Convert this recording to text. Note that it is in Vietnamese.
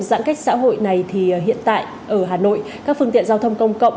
giãn cách xã hội này thì hiện tại ở hà nội các phương tiện giao thông công cộng